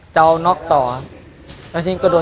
สวัสดีครับ